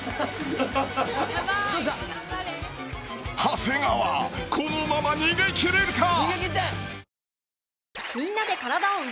長谷川このまま逃げ切れるか？